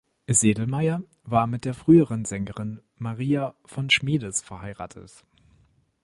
Sedlmayr war mit der früheren Sängerin Maria von Schmedes verheiratet.